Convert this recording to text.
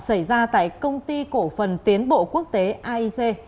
xảy ra tại công ty cổ phần tiến bộ quốc tế aic